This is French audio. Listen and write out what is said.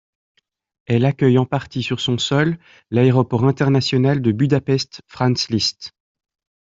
Elle accueille en partie sur son sol l'Aéroport international de Budapest-Franz Liszt.